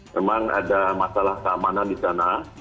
memang ada masalah keamanan di sana